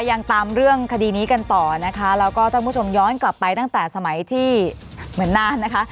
ยังตามเรื่องคดีนี้กันต่อนะคะแล้วก็ท่านผู้ชมย้อนกลับไปตั้งแต่สมัยที่เหมือนนานนะคะ